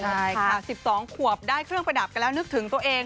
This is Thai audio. ใช่ค่ะ๑๒ขวบได้เครื่องประดับกันแล้วนึกถึงตัวเอง